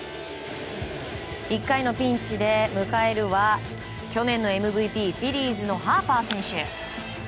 １回のピンチで迎えるは去年のＭＶＰフィリーズのハーパー選手